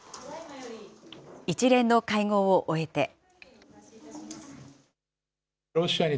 一連の会合を終えて。